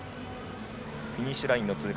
フィニッシュライン通過。